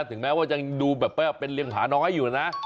ถึงแม้ว่าจะดูแบบเป็นเหลียงผาน้องให้อยู่นะ